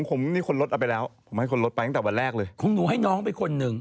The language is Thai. ผมให้คนลดไปตั้งแต่วันแรกเลย